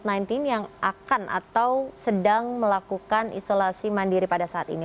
apakah pesan bagi pasien covid sembilan belas yang akan atau sedang melakukan isolasi mandiri pada saat ini